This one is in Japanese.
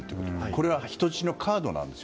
これは人質のカードなんです。